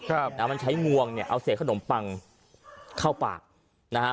เอามันใช้งวงเนี่ยเอาเสร็จขนมปังเข้าปากนะฮะ